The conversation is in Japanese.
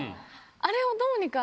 あれをどうにか。